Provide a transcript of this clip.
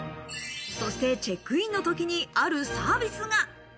そしてチェックインの時にあるサービスが。